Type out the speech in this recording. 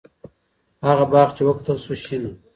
هغه باغ چې وکتل شو، شین و.